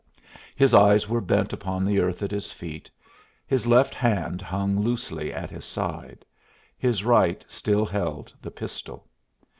His eyes were bent upon the earth at his feet; his left hand hung loosely at his side, his right still held the pistol.